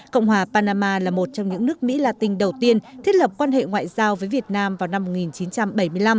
cộng hòa panama là một trong những nước mỹ latin đầu tiên thiết lập quan hệ ngoại giao với việt nam vào năm một nghìn chín trăm bảy mươi năm